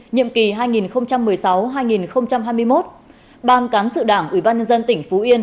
nhiệm kỳ hai nghìn một mươi sáu hai nghìn hai mươi một ban cán sự đảng ủy ban nhân dân tỉnh phú yên